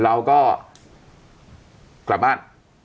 เราก็กลับบ้าน